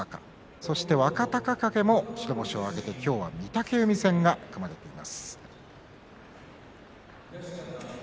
そして若隆景も白星を挙げて今日は御嶽海戦が組まれています。